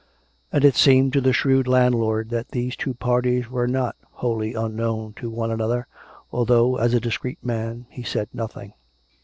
And it seemed to the shrewd landlord that these two parties were not wholly unknown to one another, although, as a discreet man, he said nothing.